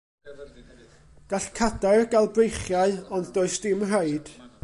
Gall cadair gael breichiau, ond does dim rhaid.